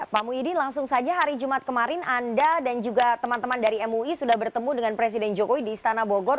pak muhyiddin langsung saja hari jumat kemarin anda dan juga teman teman dari mui sudah bertemu dengan presiden jokowi di istana bogor